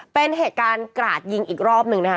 เป็นเหตุการณ์กราดยิงอีกรอบหนึ่งนะคะ